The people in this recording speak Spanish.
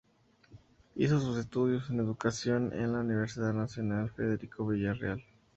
Hizo sus estudios en Educación en la Universidad Nacional Federico Villarreal.